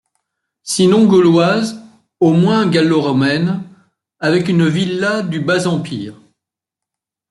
Sinon gauloise, au moins gallo-romaine, avec une villa du bas-empire.